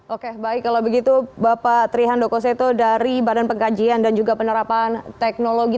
oke baik kalau begitu bapak trihando koseto dari badan pengkajian dan juga penerapan teknologi